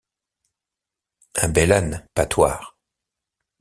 Un bel âne, Patoir!